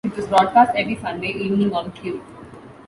It was broadcast every Sunday evening on Q.